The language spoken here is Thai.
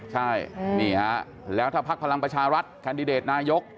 ใช่นี่ฮะแล้วถ้าพักพลังประชารัฐแคนดิเดตนายก